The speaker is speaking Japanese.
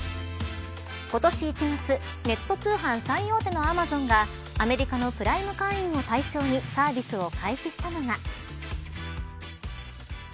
今年１月ネット通販最大手のアマゾンがアメリカのプライム会員を対象にサービスを開始したのが。